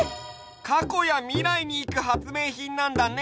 かこやみらいにいくはつめいひんなんだね！